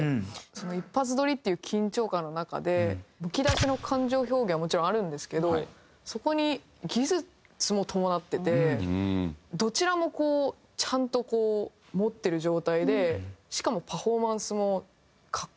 一発撮りっていう緊張感の中でむき出しの感情表現はもちろんあるんですけどそこに技術も伴っててどちらもこうちゃんと持ってる状態でしかもパフォーマンスも格好良くて。